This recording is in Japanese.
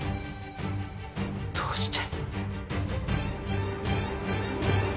どうして？